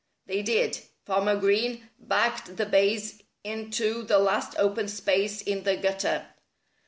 They did. Farmer Green backed the bays into the last open space in the gutter.